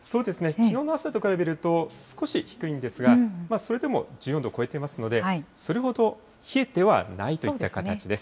きのうの朝と比べると少し低いんですが、それでも１４度超えていますので、それほど冷えてはないといった形です。